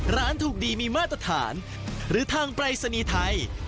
ร้านถุกดีมีมาตรฐานหรือทางไปสนีไทย